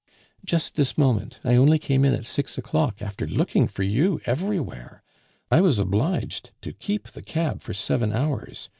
"Just this moment; I only came in at six o'clock after looking for you everywhere. I was obliged to keep the cab for seven hours.